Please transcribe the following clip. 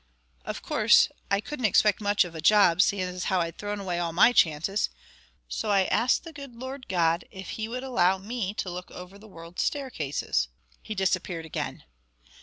Of course, I couldn't expect much of a job, seeing how I'd thrown away all my chances, so I asked the good Lord God if He would allow me to look after the world's staircases." He disappeared again.